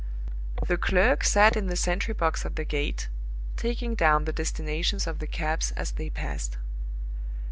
The clerk sat in the sentry box at the gate, taking down the destinations of the cabs as they passed.